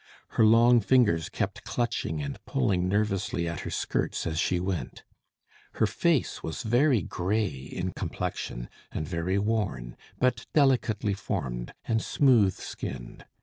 Her long fingers kept clutching and pulling nervously at her skirts as she went. Her face was very gray in complexion, and very worn, but delicately formed, and smooth skinned.